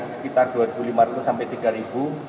sekitar dua ratus lima puluh sampai tiga ribu